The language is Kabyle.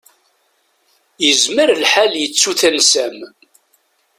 Yezmer lḥal yettu tansa-m.